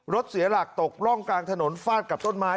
เสียหลักตกร่องกลางถนนฟาดกับต้นไม้